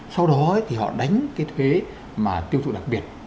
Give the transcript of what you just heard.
sau đó thì họ đánh cái thuế mà tiêu thụ đặc biệt